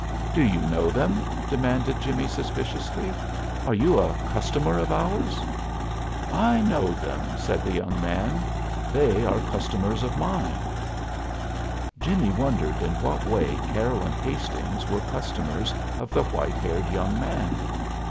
"Do you know them?" demanded Jimmie suspiciously. "Are you a customer of ours?" "I know them," said the young man. "They are customers of mine." Jimmie wondered in what way Carroll and Hastings were customers of the white haired young man.